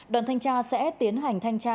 đoàn thanh tra sẽ tiến hành thanh tra